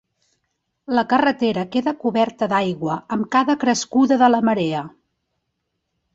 La carretera queda coberta d'aigua amb cada crescuda de la marea.